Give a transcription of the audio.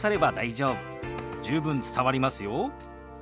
十分伝わりますよ。